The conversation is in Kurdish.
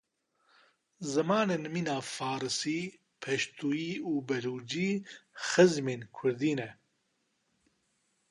Zimanên mîna farisî, peştûyî û belûcî xizmên kurdî ne.